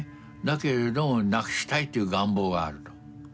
だけれどもなくしたいという願望があると。